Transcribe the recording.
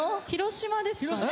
広島ですか。